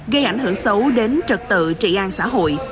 gây ảnh hưởng xấu đến trật tự trị an xã hội